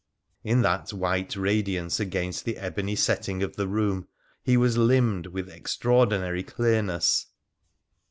In that white radiance, against the ebony setting of the room, he was limned with extraordinary clear ness.